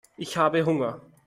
Ich habe Hunger.